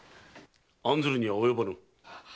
案ずるには及ばぬ。